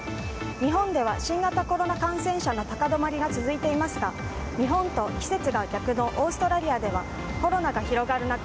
日本では新型コロナ感染者の高止まりが続いていますが日本と季節が逆のオーストラリアではコロナが広がる中